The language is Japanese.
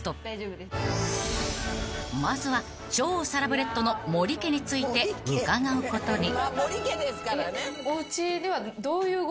［まずは超サラブレッドの森家について伺うことに］